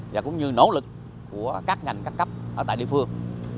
và cũng như nỗ lực của các ngành các cấp ở tại địa phương